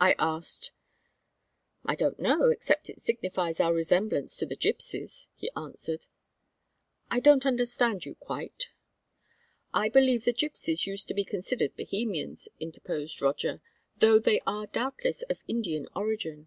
I asked. "I don't know, except it signifies our resemblance to the gypsies," he answered. "I don't understand you quite." "I believe the gypsies used to be considered Bohemians," interposed Roger, "though they are doubtless of Indian origin.